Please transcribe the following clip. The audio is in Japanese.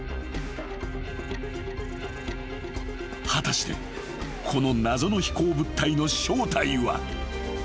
［果たしてこの謎の飛行物体の正体は］